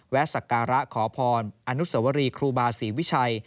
สักการะขอพรอนุสวรีครูบาศรีวิชัย